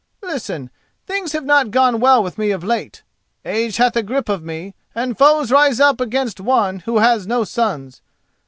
Listen: things have not gone well with me of late. Age hath a grip of me, and foes rise up against one who has no sons.